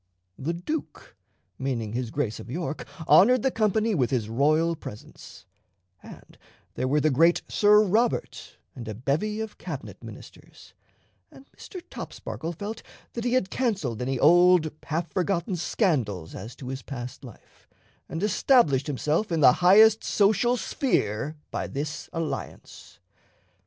The Duke, meaning his Grace of York, honored the company with his royal presence, and there were the great Sir Robert and a bevy of Cabinet ministers, and Mr. Topsparkle felt that he had canceled any old half forgotten scandals as to his past life, and established himself in the highest social sphere by this alliance.